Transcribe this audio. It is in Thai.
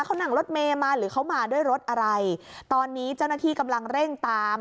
เขานั่งรถเมย์มาหรือเขามาด้วยรถอะไรตอนนี้เจ้าหน้าที่กำลังเร่งตาม